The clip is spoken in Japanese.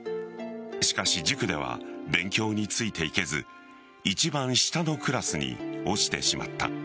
しかし塾では勉強についていけず一番下のクラスに落ちてしまった。